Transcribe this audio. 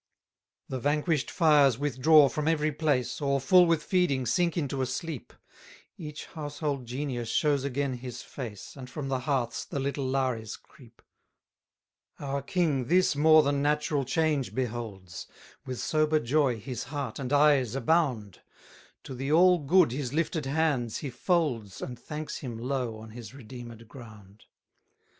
282 The vanquish'd fires withdraw from every place, Or, full with feeding, sink into a sleep: Each household genius shows again his face, And from the hearths the little Lares creep. 283 Our King this more than natural change beholds; With sober joy his heart and eyes abound: To the All good his lifted hands he folds, And thanks him low on his redeemed ground.